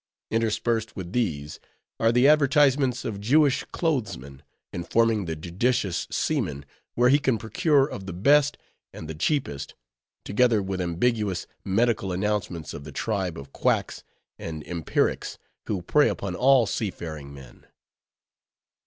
Interspersed with these, are the advertisements of Jewish clothesmen, informing the judicious seamen where he can procure of the best and the cheapest; together with ambiguous medical announcements of the tribe of quacks and empirics who prey upon all seafaring men.